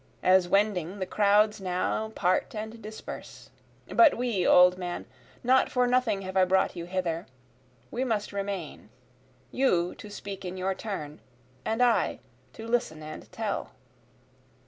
As wending the crowds now part and disperse but we old man, Not for nothing have I brought you hither we must remain, You to speak in your turn, and I to listen and tell.